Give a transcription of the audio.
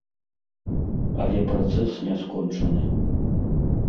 Але працэс не скончаны.